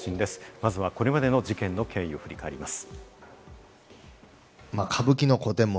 まずはこれまでの事件の経緯を振り返ります。